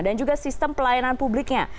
dan juga sistem pelayanan publiknya